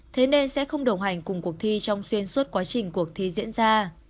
thế nên sẽ không đồng hành cùng cuộc thi trong xuyên suốt quá trình cuộc thi diễn ra